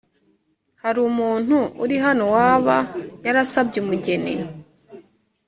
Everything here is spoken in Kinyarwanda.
hari umuntu uri hano waba yarasabye umugeni ?